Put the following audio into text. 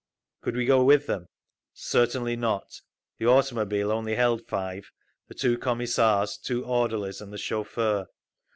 Could we go with them? Certainly not. The automobile only held five—the two Commissars, two orderlies and the chauffeur.